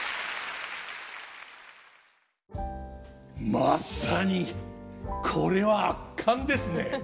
まさにこれは圧巻ですね！